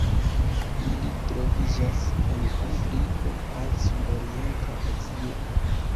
Ili troviĝas el Afriko al Sudorienta Azio.